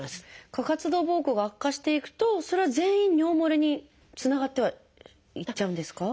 過活動ぼうこうが悪化していくとそれは全員尿もれにつながってはいっちゃうんですか？